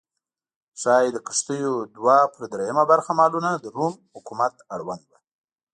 ښايي د کښتیو دوه پر درېیمه برخه مالونه د روم حکومت اړوند و